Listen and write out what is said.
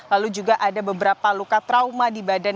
lalu juga ada beberapa luka trauma di badan